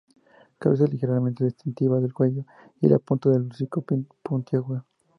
Cabeza ligeramente distintiva del cuello y la punta del hocico puntiaguda.